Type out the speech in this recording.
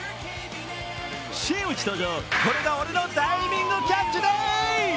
真打ち登場、これが俺のダイビングキャッチでぃ！